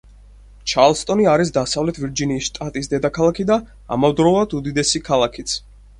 ჩარლსტონი არის დასავლეთ ვირჯინიის შტატის დედაქალაქი და ამავდროულად უდიდესი ქალაქიც.